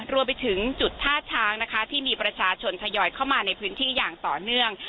รวมไปถึงจุดท่าช้างนะคะที่มีประชาชนทยอยเข้ามาในพื้นที่อย่างต่อเนื่อง